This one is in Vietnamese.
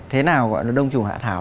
thế nào gọi nó là đông trùng hạ thảo